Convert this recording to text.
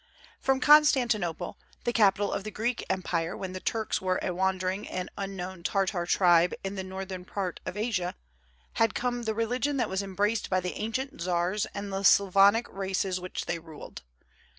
From Constantinople, the capital of the Greek empire when the Turks were a wandering and unknown Tartar tribe in the northern part of Asia, had come the religion that was embraced by the ancient czars and the Slavonic races which they ruled.